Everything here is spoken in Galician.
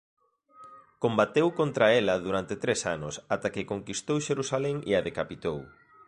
Combateu contra ela durante tres anos ata que conquistou Xerusalén e a decapitou.